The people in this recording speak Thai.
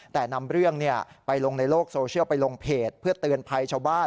แต่นำเรื่องไปลงในโลกโซเชียลไปลงเพจเพื่อเตือนภัยชาวบ้าน